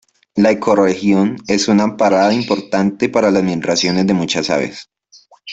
La ecorregión es una parada importante para la migración de muchas aves.